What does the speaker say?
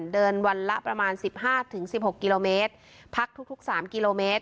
เดินวันละประมาณสิบห้าถึงสิบหกกิโลเมตรพักทุกทุกสามกิโลเมตร